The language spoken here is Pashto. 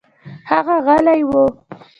هغه غلى و.